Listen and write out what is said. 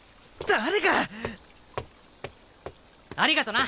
誰が！ありがとな。